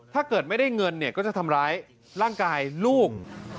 ถ้าเกิดไม่ได้เงินเนี่ยก็จะทำร้ายร่างกายลูก